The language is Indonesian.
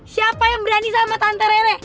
siapa yang berani sama tante rele